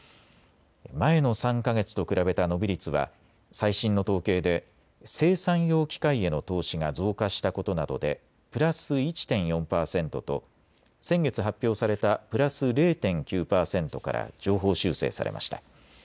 前の３か月と比べた伸び率は最新の統計で生産用機械への投資が増加したことなどでプラス１．４％と先月発表されたプラス０．９％から上方修正されました。